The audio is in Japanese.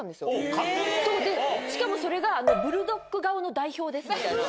そうしかもそれがブルドッグ顔の代表ですみたいな。